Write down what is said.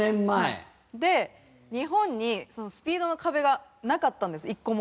で日本にスピードの壁がなかったんです１個も。